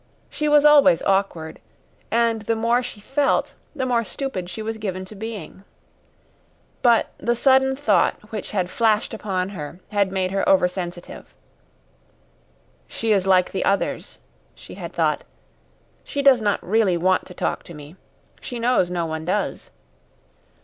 She was always awkward, and the more she felt, the more stupid she was given to being. But the sudden thought which had flashed upon her had made her over sensitive. "She is like the others," she had thought. "She does not really want to talk to me. She knows no one does."